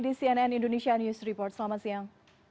di cnn indonesia news report selamat siang